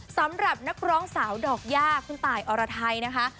สำหรับนักร้องสาวดอกย่าคุณตายอรไทยนะคะ